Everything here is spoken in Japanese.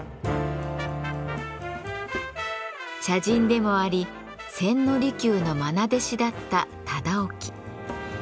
茶人でもあり千利休のまな弟子だった忠興。